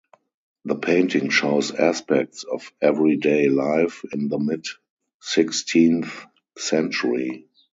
The painting shows aspects of everyday life in the mid-sixteenth century.